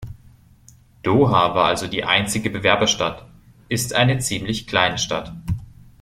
Doha war also die einzige Bewerberstadtist eine ziemlich kleine Stadt.